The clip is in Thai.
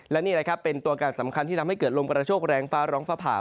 และนี่แหละครับเป็นตัวการสำคัญที่ทำให้เกิดลมกระโชคแรงฟ้าร้องฟ้าผ่า